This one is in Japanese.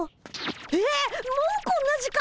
えっもうこんな時間！？